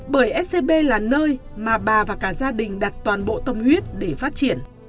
bởi scb là nơi mà bà và cả gia đình đặt toàn bộ tâm huyết để phát triển